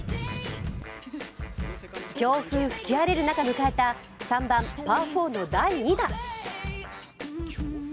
強風吹き荒れる中、迎えた３番、パー４の第２打。